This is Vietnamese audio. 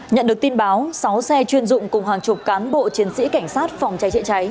nhận được tin báo sáu xe chuyên dụng cùng hàng chục cán bộ chiến sĩ cảnh sát phòng cháy chữa cháy